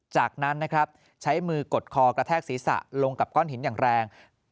จากนั้นนะครับใช้มือกดคอกระแทกศีรษะลงกับก้อนหินอย่างแรง